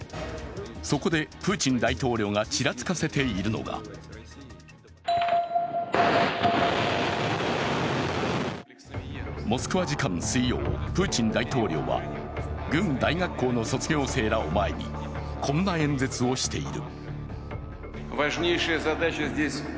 そこでプーチン大統領がちらつかせているのがモスクワ時間水曜、プーチン大統領は軍大学校の卒業生らを前に、こんな演説をしている。